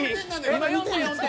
今４点４点。